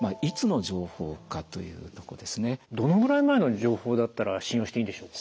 どのぐらい前の情報だったら信用していいんでしょうか？